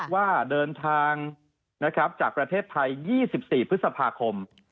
ว่าเดินทางจากประเทศไทย๒๔พฤษภาคม